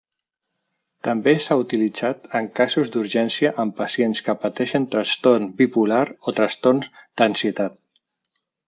També s'ha utilitzat en casos d'urgència en pacients que pateixen trastorn bipolar o trastorn d'ansietat.